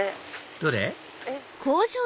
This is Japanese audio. どれ？